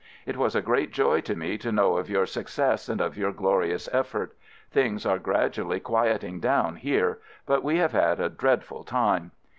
It was a great joy to me to know of your success and of your glorious effort. Things are gradually quieting down here, but we have had a dreadful time.